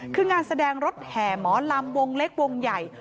คืองานแสดงรถแห่หมอลำวงเล็กวงใหญ่